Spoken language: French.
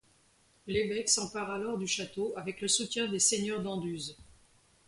L'évêque s'empare alors du château avec le soutien des seigneurs d'Anduze.